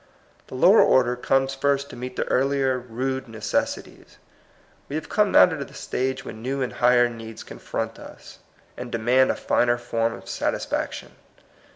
The lower order comes first to meet the earlier rude necessities. We have come now to the stage when new and higher needs confront us, and demand a finer form of satisfaction.